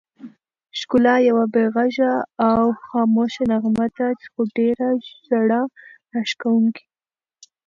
ښکلا یوه بې غږه او خاموشه نغمه ده، خو ډېره زړه راښکونکې.